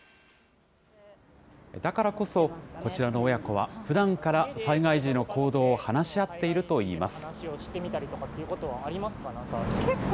だからこそ、こちらの親子はふだんから災害時の行動を話し合っているといいます。